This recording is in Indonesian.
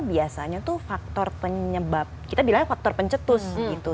biasanya itu faktor penyebab kita bilang faktor pencetus gitu